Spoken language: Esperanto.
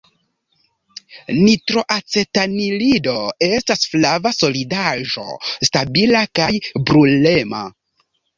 Nitroacetanilido estas flava solidaĵo stabila kaj brulema.